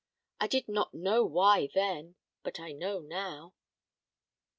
I did not know why then; but I know now."